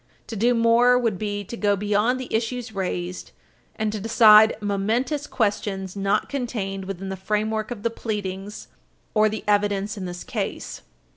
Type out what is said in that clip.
To do more would be to go beyond the issues raised, and to decide momentous questions not contained within the framework of the pleadings or the evidence in this case.